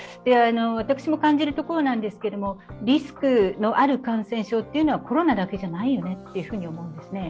私も感じるところなんですけど、リスクのある感染症はコロナだけじゃないと思うんですね。